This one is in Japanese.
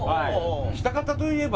喜多方といえば？